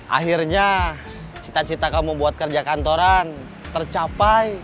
akhirnya cita cita kamu buat kerja kantoran tercapai